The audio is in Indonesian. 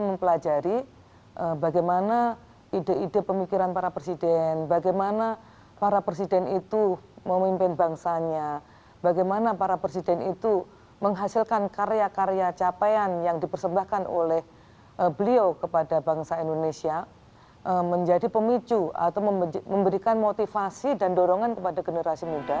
menjadi pemicu atau memberikan motivasi dan dorongan kepada generasi muda